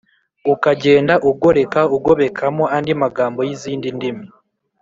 ukagenda ugoreka, ugobekamo andi magambo y’izindi ndimi.